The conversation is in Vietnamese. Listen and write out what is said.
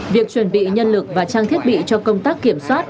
việc chuẩn bị nhân lực và trang thiết bị cho công tác kiểm soát